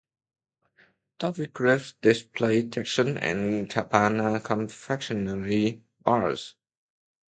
Toffee Crisp displaced Texan and Cabana confectionery bars.